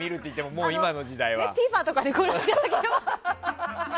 ＴＶｅｒとかでご覧いただけます。